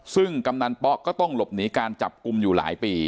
ซึ่งกำนันป๊อกก็ต้องหลบหนีการจับกลุ่มอยู่หลายปี